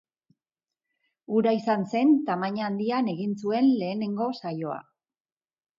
Hura izan zen tamaina handian egin zuen lehenengo saioa.